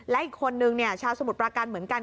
แล้วอีกคนนึงเนี่ยชาวสมุดประการเหมือนกัน